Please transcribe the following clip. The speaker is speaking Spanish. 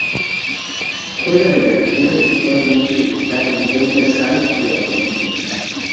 Juega de delantero y actualmente está en Douglas Haig de Argentina.